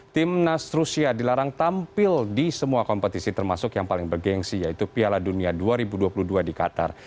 timnas rusia dilarang tampil di semua kompetisi termasuk yang paling bergensi yaitu piala dunia dua ribu dua puluh dua di qatar